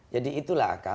jadi itulah kak